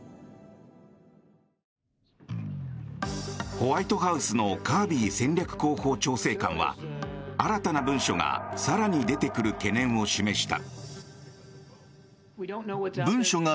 ホワイトハウスのカービー戦略広報調整官は新たな文書が更に出てくる懸念を示した。